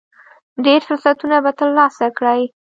ډېر فرصتونه به ترلاسه کړئ .